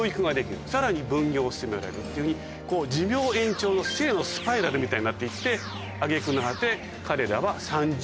さらに分業を進められるというふうに寿命延長の。みたいになって行って揚げ句の果て彼らは。